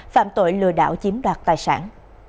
phạm tội lừa đảo chiếm đoạt tài sản